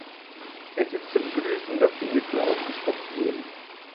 Es ist zu begrüßen, dass die Mittel aufgestockt wurden.